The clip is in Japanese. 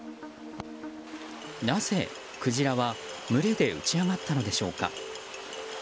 なぜ、クジラは群れで打ち上がったのでしょうか。